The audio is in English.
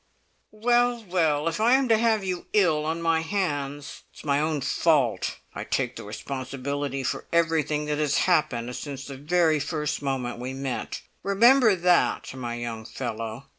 "Well, well! If I am to have you ill on my hands it's my own fault. I take the responsibility for everything that has happened since the very first moment we met. Remember that, my young fellow!